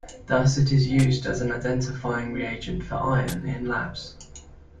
Thus it is used as an identifying reagent for iron in labs.